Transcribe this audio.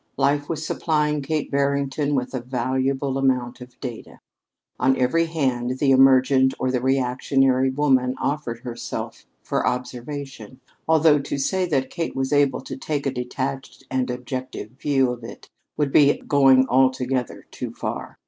Life was supplying Kate Barrington with a valuable amount of "data." On every hand the emergent or the reactionary woman offered herself for observation, although to say that Kate was able to take a detached and objective view of it would be going altogether too far.